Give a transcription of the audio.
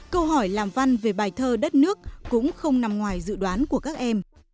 câu hỏi làm văn về bài thơ đất nước cũng không nằm ngoài dự đoán của các em